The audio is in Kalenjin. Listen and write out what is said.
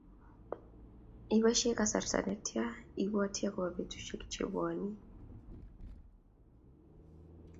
iposhe kasarta netia ibwoti akobo petushek che buoni